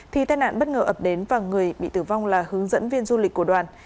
thì tai nạn bất ngờ ập đến và người bị tử vong là hướng dẫn viên du lịch của đoàn